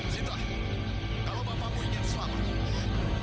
sita kalau bapakmu ingin selamat